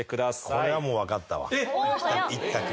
これはもう分かったわ１択。